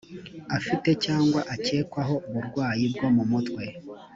afite cyangwa akekwaho uburwayi bwo mumutwe